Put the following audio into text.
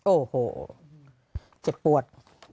โอ้โหเจ็บปวด